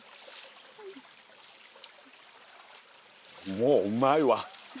もううまいわ。